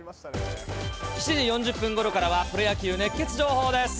７時４０分ごろからは、プロ野球熱ケツ情報です。